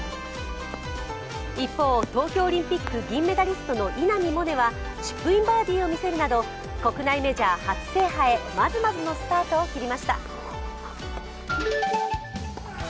一方、東京オリンピック銀メダルの稲見萌寧はチップインバーディーを見せるなど、国内メジャー初制覇へまずますのスタートを切りました。